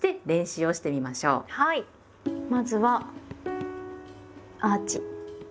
まずはアーチ。